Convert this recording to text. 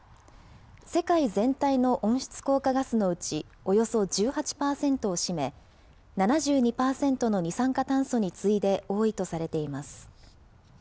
世界全体の温室効果ガスのうちおよそ１８％を占め、７２％の二酸化炭素に次いで多いとされています。